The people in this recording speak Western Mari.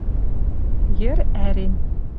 Йӹр ӓрен